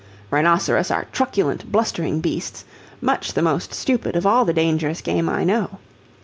Rhinoceros are truculent, blustering beasts, much the most stupid of all the dangerous game I know.